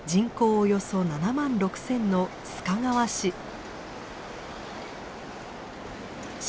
およそ７万６，０００の須賀川市。